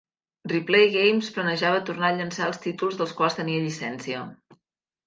Replay Games planejava tornar a llençar els títols dels quals tenia llicència.